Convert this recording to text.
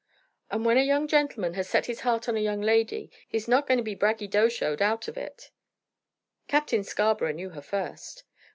"And when a young gentleman has set his heart on a young lady he's not going to be braggydoshoed out of it." "Captain Scarborough knew her first."